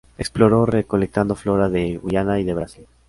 Exploró, recolectando flora de Guyana y de Brasil.